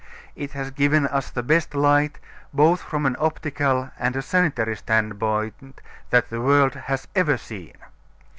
It has given us the best light, both from an optical and a sanitary standpoint, that the world has ever seen.